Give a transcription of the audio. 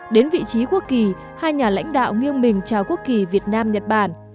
đến vị trí quốc kỳ hai nhà lãnh đạo nghiêng mình chào quốc kỳ việt nam nhật bản